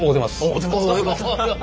およかった。